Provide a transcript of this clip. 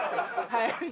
はい。